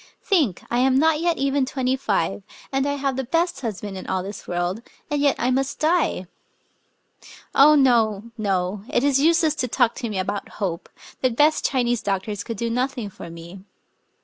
... Think ! I am not yet even twenty five, — and I have the best husband in all this world, — and yet I must die! ... Oh, no, no ! it is useless to talk to me about hope ; the best Chinese doctors could do nothing for me.